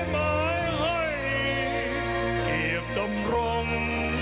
เกียปดำรง